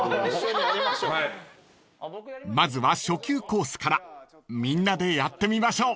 ［まずは初級コースからみんなでやってみましょう］